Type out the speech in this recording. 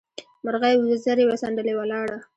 مرغۍ وزرې وڅنډلې؛ ولاړه.